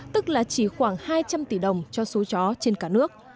tức là chỉ khoảng hai trăm linh tỷ đồng cho số chó trên cả nước